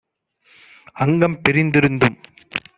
அங்கம் பிரிந்திருந்தும்